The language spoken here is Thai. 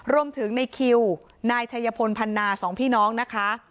รวมถึงในคิวนายชัยพลพันนาสองพี่น้องนะคะ